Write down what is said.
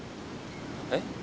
えっ？